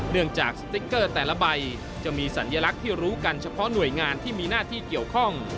จากสติ๊กเกอร์แต่ละใบจะมีสัญลักษณ์ที่รู้กันเฉพาะหน่วยงานที่มีหน้าที่เกี่ยวข้อง